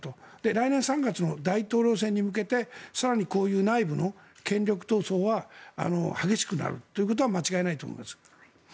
来年３月の大統領選に向けて更に内部の権力闘争は激しくなるということは間違いないと思います。